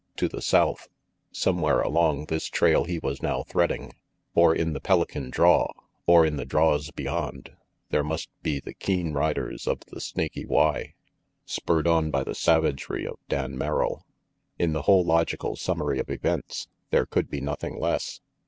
To the south, somewhere along this trail he was now threading, or in the Pelican draw, or in the draws beyond, there must be the keen riders of the Snaky Y, spurred on by the savagery of Dan Merrill. In the whole logical summary of events, there could be nothing less.